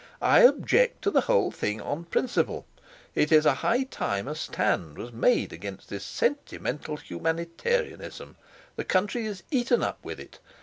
I object to the whole thing on principle. It is high time a stand was made against this sentimental humanitarianism. The country is eaten up with it.